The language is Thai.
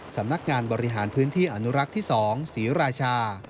สำนักงานบริหารพื้นที่อนุรักษ์ที่๒ศรีราชา